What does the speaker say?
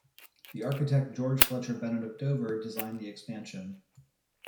The architect George Fletcher Bennet of Dover designed the expansion.